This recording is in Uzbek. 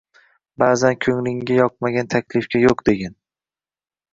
Ba’zan ko‘nglingga yoqmagan taklifga “yo‘q” degin.